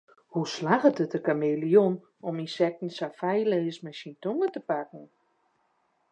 Hoe slagget it de kameleon om ynsekten sa feilleas mei syn tonge te pakken?